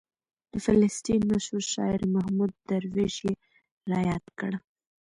د فلسطین مشهور شاعر محمود درویش یې رایاد کړ.